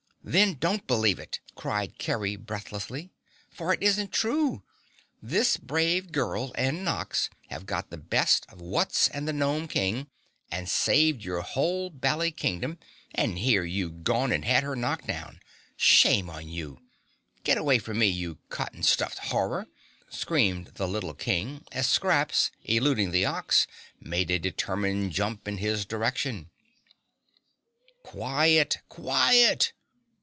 "Then don't believe it!" cried Kerry breathlessly. "For it isn't true! This brave girl and Nox have got the best of Wutz and the Gnome King and saved your whole bally Kingdom and here you've gone and had her knocked down. Shame on you! Get away from me, you cotton stuffed horror!" screamed the little King, as Scraps, eluding the Ox, made a determined jump in his direction. "Quiet! QUIET!"